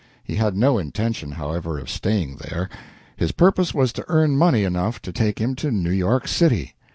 He had no intention, however, of staying there. His purpose was to earn money enough to take him to New York City.